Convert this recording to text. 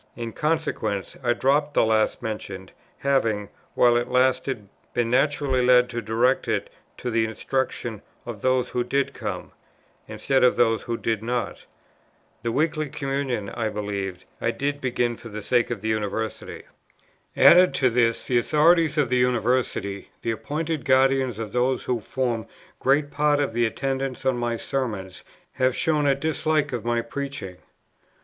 In consequence I dropped the last mentioned, having, while it lasted, been naturally led to direct it to the instruction of those who did come, instead of those who did not. The Weekly Communion, I believe, I did begin for the sake of the University. "Added to this the authorities of the University, the appointed guardians of those who form great part of the attendants on my Sermons, have shown a dislike of my preaching.